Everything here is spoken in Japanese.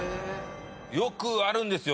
よくあるんですよ。